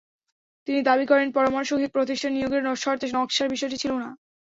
তিনি দাবি করেন, পরামর্শক প্রতিষ্ঠান নিয়োগের শর্তে নকশার বিষয়টি ছিল না।